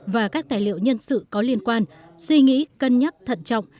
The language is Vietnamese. và các tài liệu nhân sự có liên quan suy nghĩ cân nhắc thận trọng